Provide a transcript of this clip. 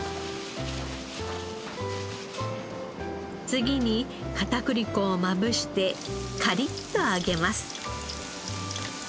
次に片栗粉をまぶしてカリッと揚げます。